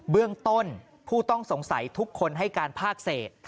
เบื้องต้นผู้ต้องสงสัยทุกคนให้การภาคเศษ